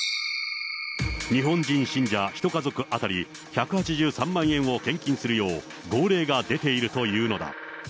日本人信者１家族当たり１８３万円を献金するよう、号令が出ているというのだ。